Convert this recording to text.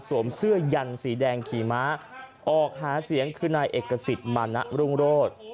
เสื้อยันสีแดงขี่ม้าออกหาเสียงคือนายเอกสิทธิ์มานะรุ่งโรธ